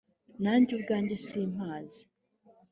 nanjye ubwanjye simpazi.